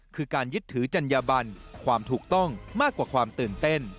คือการยึดถือจัญญบันความถูกต้องมากกว่าความตื่นเต้น